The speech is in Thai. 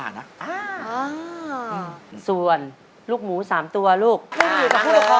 อาอฮ่าอืมส่วนลูกหมูสามตัวลูกคุ้มอยู่กับผู้เรียนรอบพร้อมก่อน